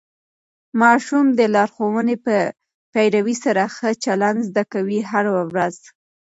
ماشومان د لارښوونو په پیروي سره ښه چلند زده کوي هره ورځ.